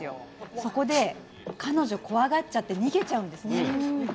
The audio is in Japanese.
そこで彼女、怖がっちゃって逃げちゃうんですね。